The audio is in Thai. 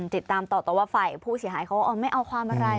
ติดตามต่อแต่ว่าฝ่ายผู้เสียหายเขาก็ไม่เอาความอะไร